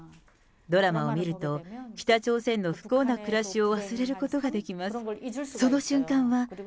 ドラマを見ると、北朝鮮の不幸な暮らしを忘れることができます。